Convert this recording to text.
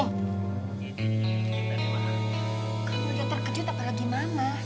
kamu udah terkejut apa lagi ma